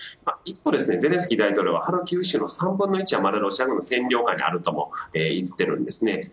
１個、ゼレンスキー大統領はハルキウ州の３分の１までロシア軍の占領下にあると言っているんですね。